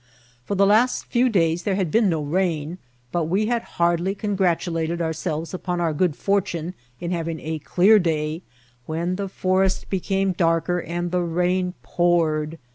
For the last few days there had been no rain ; but we had hardly con gratulated ourselves upon our good fortune in having a dear day, when the forest became darker and the rain poured.